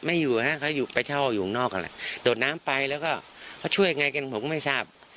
ไม่อยู่ครับเขาไปเช่าอยู่ข้างนอกกันแล้วโดดน้ำไปแล้วก็ช่วยยังไงกันผมไม่ทราบ